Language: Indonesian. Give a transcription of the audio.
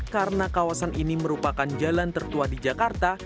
karena kawasan ini merupakan jalan tertua di jakarta